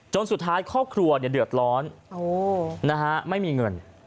จนสุดท้ายครอบครัวเนี่ยเดือดร้อนนะฮะไม่มีเงิน